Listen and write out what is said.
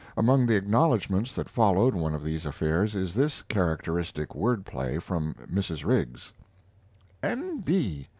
Among the acknowledgments that followed one of these affairs is this characteristic word play from Mrs. Riggs: N. B.